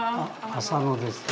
浅野です。